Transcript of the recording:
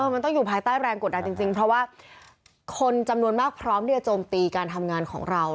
มันต้องอยู่ภายใต้แรงกดดันจริงเพราะว่าคนจำนวนมากพร้อมที่จะโจมตีการทำงานของเรา